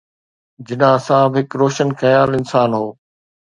جناح صاحب هڪ روشن خيال انسان هو.